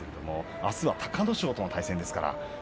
あすは隆の勝との対戦です。